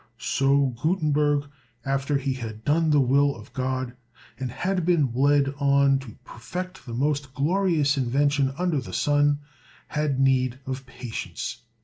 So Gutenberg, after he had done the will of God, and had been led on to perfect the most glorious invention under the sun, had need of patience.